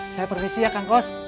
saya provisi ya kangkos